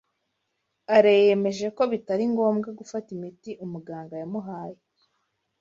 Alain yemeje ko bitari ngombwa gufata imiti umuganga yamuhaye.